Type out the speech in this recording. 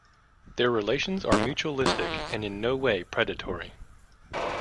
Their relations are mutualistic and in no way predatory.